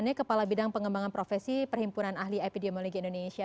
ini kepala bidang pengembangan profesi perhimpunan ahli epidemiologi indonesia